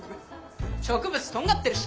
植物とんがってるし。